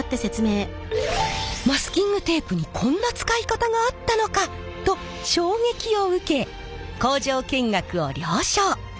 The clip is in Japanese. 「マスキングテープにこんな使い方があったのか！」と衝撃を受け工場見学を了承。